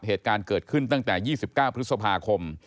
เหตุการณ์เกิดขึ้นตั้งแต่๒๙พฤษภาคม